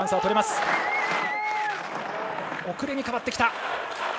遅れに変わってきた。